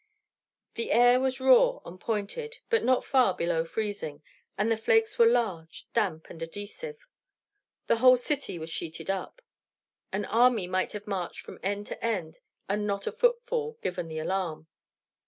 The air was raw and pointed, but not far below freezing; and the flakes were large, damp, and adhesive. The whole city was sheeted up. An army might have marched from end to end and not a footfall given the alarm.